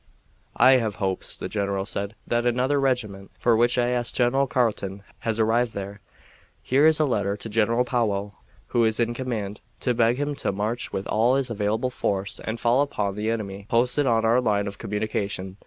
"I have hopes," the general said, "that another regiment, for which I asked General Carleton, has arrived there. Here is a letter to General Powell, who is in command, to beg him to march with all his available force and fall upon the enemy posted on our line of communication.